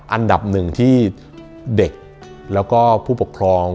อันดับหนึ่งที่เด็กแล้วก็ผู้ปกครอง